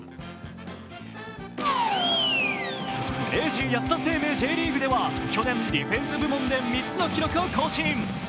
明治安田生命Ｊリーグでは去年、ディフェンス部門で３つの記録を更新。